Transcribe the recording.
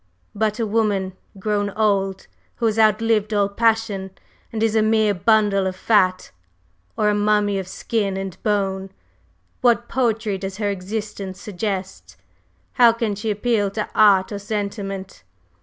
But a woman grown old, who has outlived all passion and is a mere bundle of fat, or a mummy of skin and bone, what poetry does her existence suggest? How can she appeal to art or sentiment?